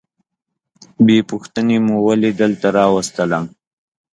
بې پوښتنې مو ولي دلته راوستلم؟